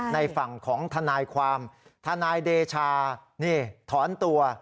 ในฝั่งของชาวทานายชาวทานายเดชาเหนียถอนตัว